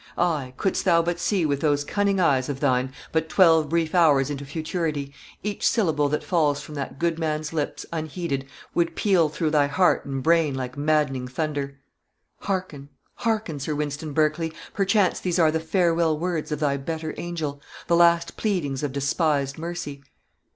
Aye, couldst thou but see with those cunning eyes of thine, but twelve brief hours into futurity, each syllable that falls from that good man's lips unheeded would peal through thy heart and brain like maddening thunder. Hearken, hearken, Sir Wynston Berkley, perchance these are the farewell words of thy better angel the last pleadings of despised mercy!